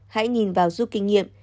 hãy nhìn vào giúp kinh nghiệm